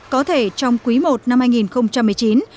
có thể trong quý i năm hai nghìn một mươi chín